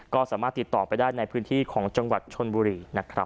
ก็สามารถติดต่อไปได้ในพื้นที่ของจังหวัดชนบุรีนะครับ